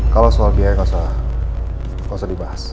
kalau soal biaya tidak perlu dibahas